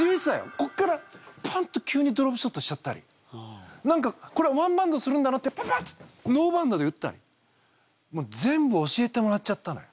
こっからポンッと急にドロップショットしちゃったり何かこれワンバウンドするんだなってパパッてノーバウンドで打ったり全部教えてもらっちゃったのよ。